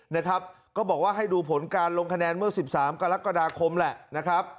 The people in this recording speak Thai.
นะครับก็บอกว่าให้ดูผลการลงคะแนนเมื่อ๑๓กรกฎาคมแหละนะครับ